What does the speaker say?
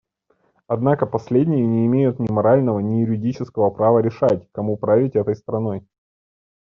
Однако последние не имеют ни морального, ни юридического права решать, кому править этой страной.